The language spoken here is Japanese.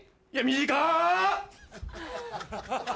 短！